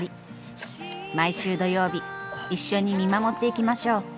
毎週土曜日一緒に見守っていきましょう。